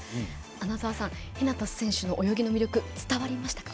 穴澤さん、日向選手の泳ぎの魅力伝わりましたか？